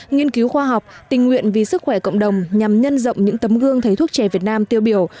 nghiên cứu khoa học tình nguyện vì sức khỏe cộng đồng nhằm nhân rộng những tấm gương thầy thuốc trẻ việt nam tiêu biểu